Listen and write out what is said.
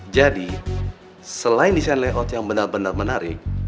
jadi selain desain layout yang benar benar menarik